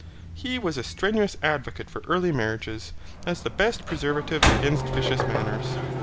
He was a strenuous advocate for early marriages, as the best preservative against vicious manners.